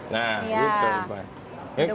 nah betul mas